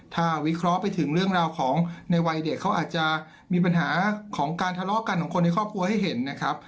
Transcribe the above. ถ้าวิเคราะห์ไปถึงเรื่องราวของในวัยเด็กเขาอาจจะมีปัญหาของการทะเลาะกันของคนในครอบครัวให้เห็นนะครับ